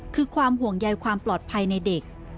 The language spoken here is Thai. คือความห่วงใยความปลอดภัยในเด็ก